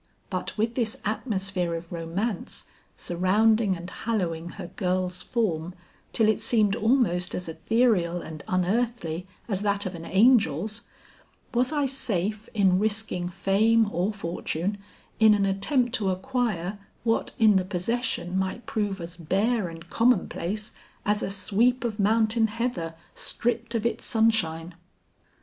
But with this atmosphere of romance surrounding and hallowing her girl's form till it seemed almost as ethereal and unearthly as that of an angel's, was I safe in risking fame or fortune in an attempt to acquire what in the possession might prove as bare and common place as a sweep of mountain heather stripped of its sunshine.